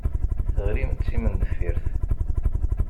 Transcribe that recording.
Teɣlim d timendeffirt.